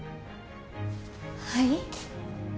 はい？